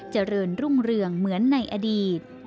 เจริญรุ่งเรืองเหมือนในอดีต